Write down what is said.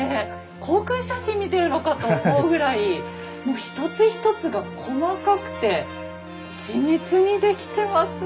航空写真見てるのかと思うぐらいもう一つ一つが細かくて緻密に出来てますねえ。